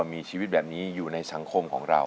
มีชีวิตแบบนี้อยู่ในสังคมของเรา